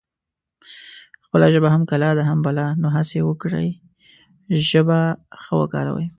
خپله ژبه هم کلا ده هم بلا نو هسه وکړی ژبه ښه وکاروي